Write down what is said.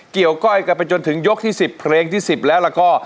เกี่ยวก้อยกลับไปไปจนถึงยกที่๑๐เพลงที่๑๐แล้วก็